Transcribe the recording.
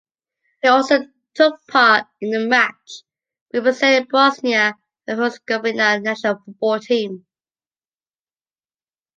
He also took part in the match, representing Bosnia and Herzegovina National Football Team.